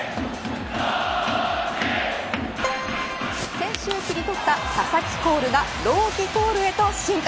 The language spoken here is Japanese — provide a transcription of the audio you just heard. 先週切り取った佐々木コールが朗希コールへと進化。